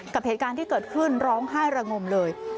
กับเหตุการณ์ที่เกิดขึ้นร้องไห้ระงมเลย